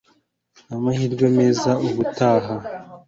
Amahirwe meza ubutaha